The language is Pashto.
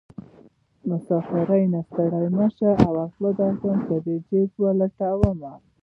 مسافرۍ نه ستړی مشې اول خوله درکړم که دې جېب ولټومه